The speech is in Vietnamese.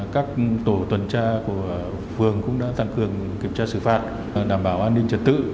các tổ tuần tra của phường cũng đã tăng cường kiểm tra xử phạt đảm bảo an ninh trật tự